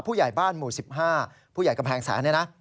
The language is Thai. ผู้ใหญ่บ้านหมู่๑๕ผู้ใหญ่กำแพงแสน